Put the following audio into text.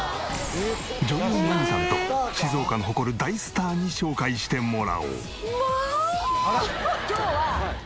女優真実さんと静岡の誇る大スターに紹介してもらおう。